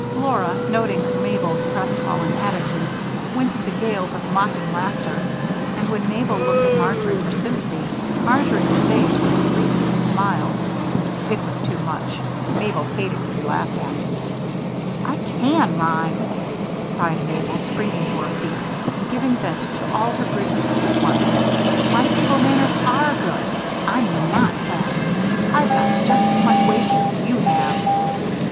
Laura, noting Mabel's crestfallen attitude, went into gales of mocking laughter and when Mabel looked at Marjory for sympathy Marjory's face was wreathed in smiles. It was too much; Mabel hated to be laughed at. "I can rhyme," cried Mabel, springing to her feet and giving vent to all her grievances at once. "My table manners are good. I'm not fat. I've got just as much waist as you have."